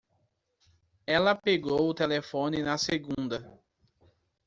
Ela pegou o telefone na segunda.